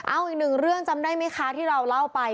เอาอีกหนึ่งเรื่องจำได้ไหมคะที่เราเล่าไป